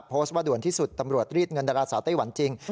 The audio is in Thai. โพสต์ว่าด่วนที่สุดตำรวจรีดเงินดาราสาวไต้หวันจริง